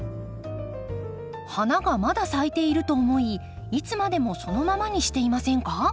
花がまだ咲いていると思いいつまでもそのままにしていませんか？